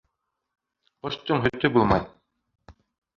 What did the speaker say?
Ҡоштоң һөтө булмай.